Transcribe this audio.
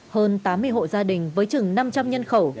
hơn tám mươi hộ gia đình với chừng năm trăm linh nhân khẩu